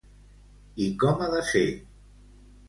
I com ha de ser?